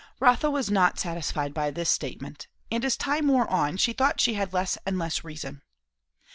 Rotha was not satisfied by this statement, and as time wore on she thought she had less and less reason.